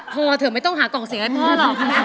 เธอไม่ต้องหากล่องเสียงให้พ่อหรอก